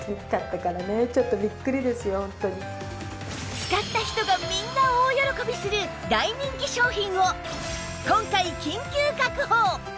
使った人がみんな大喜びする大人気商品を今回緊急確保！